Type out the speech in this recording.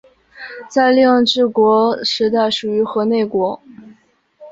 在令制国时代属于河内国。